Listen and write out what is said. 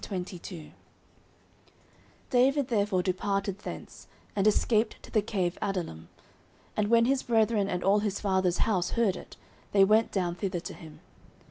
09:022:001 David therefore departed thence, and escaped to the cave Adullam: and when his brethren and all his father's house heard it, they went down thither to him.